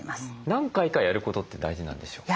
何回かやることって大事なんでしょうか？